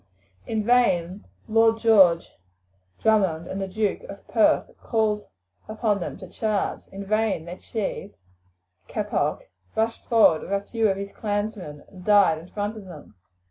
In vain Lord John Drummond and the Duke of Perth called upon them to charge, in vain their chief, Keppoch, rushed forward with a few of his clansmen and died in front of them.